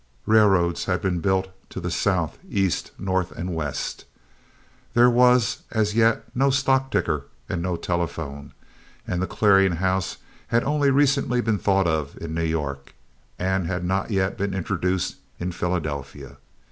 Railroads had been built to the South, East, North, and West. There was as yet no stock ticker and no telephone, and the clearing house had only recently been thought of in New York, and had not yet been introduced in Philadelphia.